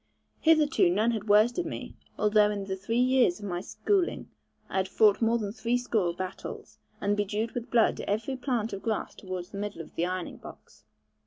Hitherto none had worsted me, although in the three years of my schooling, I had fought more than threescore battles, and bedewed with blood every plant of grass towards the middle of the Ironing box.